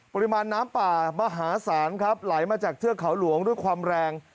ปริมาณน้ำป่ามหาศาลครับไหลมาจากเทือกเขาหลวงด้วยความแรง